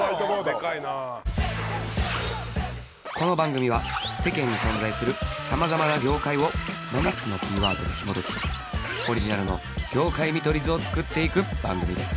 この番組は世間に存在するさまざまなギョーカイを７つのキーワードでひもときオリジナルのギョーカイ見取り図を作っていく番組です